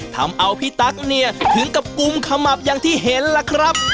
ทำเอาพี่ตั๊กเนี่ยถึงกับกุมขมับอย่างที่เห็นล่ะครับ